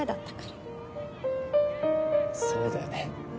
そうだよね。